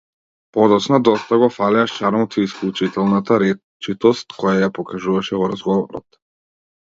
Подоцна доста го фалеа шармот и исклучителната речитост која ја покажуваше во разговорот.